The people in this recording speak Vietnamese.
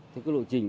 cái lộ trình